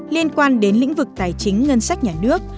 liên quan đến lĩnh vực tài chính ngân sách nhà nước